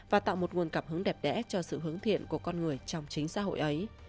và tạo một nguồn cảm hứng đẹp đẽ cho sự hướng thiện của con người trong chính xã hội ấy